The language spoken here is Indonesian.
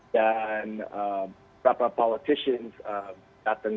dan beberapa politik juga datang